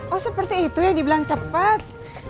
oh seperti itu yang dibilang cepet